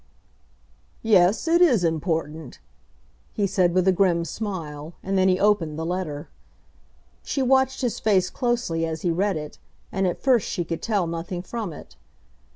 "Yes; it is important," he said with a grim smile, and then he opened the letter. She watched his face closely as he read it, and at first she could tell nothing from it.